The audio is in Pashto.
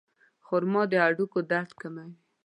خرما د هډوکو درد کموي.